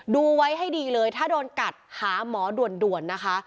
ดูไว้ให้ดีเลยถ้าโดนกัดหาหมอด่วนนะคะ